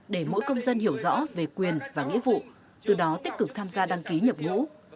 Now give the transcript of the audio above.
để mỗi công dân hiểu rõ về quyền và nghĩa vụ từ đó tích cực tham gia đăng ký nhập ngũ